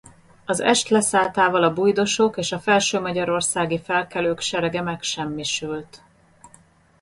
Az est leszálltával a bujdosók és a felső-magyarországi felkelők serege megsemmisült.